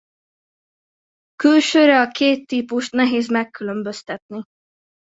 Külsőre a két típust nehéz megkülönböztetni.